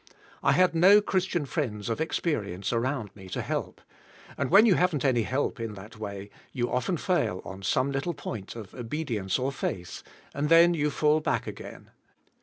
I had no Christian friends of experience around me to kelp, and when you haven't any help in that way, you often fail on some little point of obedience or faith, and then you fall back again.